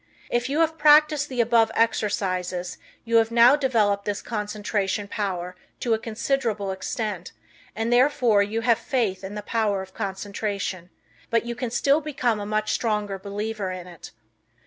If you have practiced the above exercises you have now developed this concentration power to a considerable extent and therefore you have faith in the power of concentration, but you can still become a much stronger believer in it.